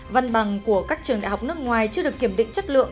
văn bằng của các trường đại học nước ngoài chưa được kiểm định chất lượng